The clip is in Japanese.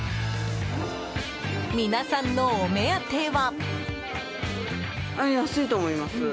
皆さんのお目当ては？